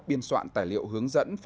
biên soạn tài liệu hướng dẫn